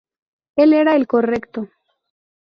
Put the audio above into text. Él era el correcto".